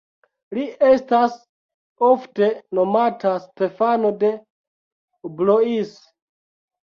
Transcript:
Li estas ofte nomata Stefano de Blois.